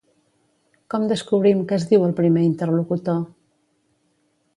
Com descobrim que es diu el primer interlocutor?